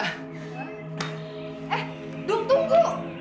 eh dung tunggu